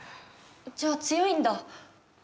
じゃあ強いんだ。